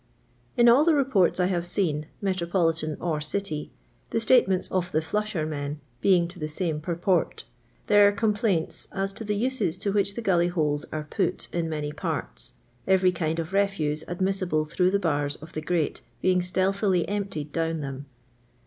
In all the reports I have seen, metropolitan or city — the statements of the flushermen bein;^ to the same purport — there are complaints as to the uses to which the gully holes are put in many parts, every kind of refuse admissible through the bars of the grate being stealthily emptied down them.